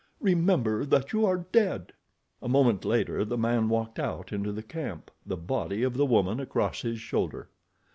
Remember that you are dead." A moment later the man walked out into the camp, the body of the woman across his shoulder.